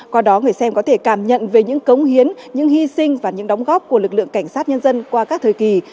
qua đó người xem có thể cảm nhận về những cống hiến những hy sinh và những đóng góp của lực lượng cảnh sát nhân dân qua các thời kỳ